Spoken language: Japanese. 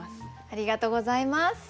ありがとうございます。